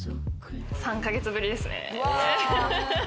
３ヶ月ぶりですね。